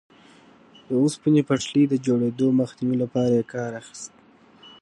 د اوسپنې پټلۍ د جوړېدو مخنیوي لپاره یې کار اخیست.